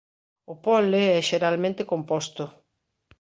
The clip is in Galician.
O pole é xeralmente composto.